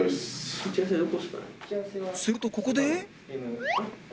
するとここで